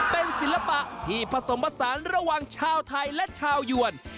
เป็นศิลปะที่ผสมผสานระหว่างชาวไทยและชาวยวน